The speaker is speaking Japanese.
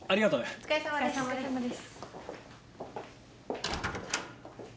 お疲れさまです。